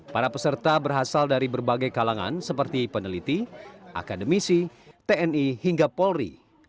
para peserta berasal dari berbagai kalangan seperti peneliti akademisi tni hingga polri